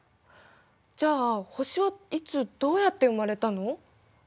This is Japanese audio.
じゃあ星はいつどうやって生まれたの？